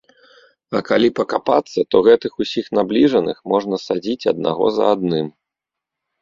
А калі пакапацца, то гэтых усіх набліжаных можна садзіць аднаго за адным.